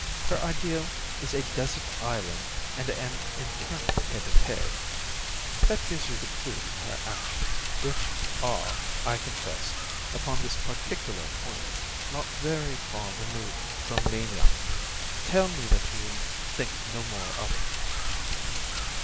Her ideal is a desert island and an eternal tete a tete. That gives you the clue to her actions, which are, I confess, upon this particular point, not very far removed from mania. Tell me that you will think no more of it."